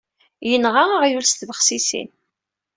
Yenɣa aɣyul s tbexsisin.